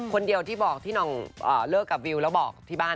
คนเดียวที่บอกที่หน่องเลิกกับวิวแล้วบอกที่บ้าน